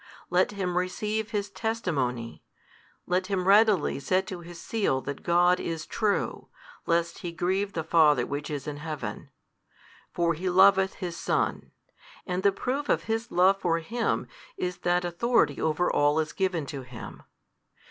Let him receive His testimony, let him readily set to his seal that God is true, lest he grieve the Father Which is in Heaven. For He loveth His Son: and the proof of His Love for Him, is that authority over all is given to Him.